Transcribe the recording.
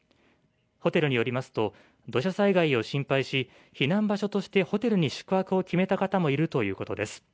ホテルによりますと土砂災害を心配し避難場所としてホテルに宿泊を決めた方もいるということです。